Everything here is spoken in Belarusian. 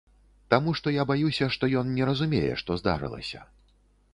Таму што я баюся, што ён не разумее, што здарылася.